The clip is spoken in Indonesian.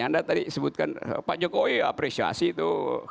anda tadi sebutkan pak jokowi apresiasi itu